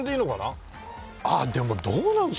あっでもどうなんですかね。